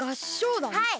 はい。